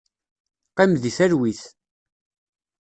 Qqim deg talwit.